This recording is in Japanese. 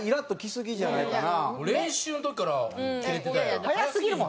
練習の時からキレてたやん。